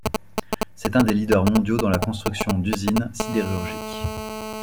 C'est un des leaders mondiaux dans la construction d'usines sidérurgiques.